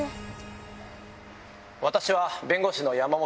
私は。